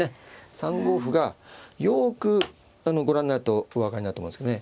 ３五歩がよくご覧になるとお分かりになると思うんですけどね。